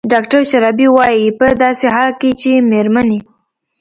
ډاکتر شرابي وايي په داسې حال کې چې مېرمنې